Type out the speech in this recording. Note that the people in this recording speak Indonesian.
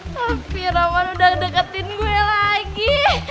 tapi rawan udah deketin gue lagi